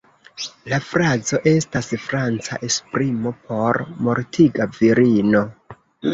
La frazo estas franca esprimo por "mortiga virino".